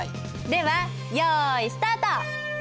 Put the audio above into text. では用意スタート！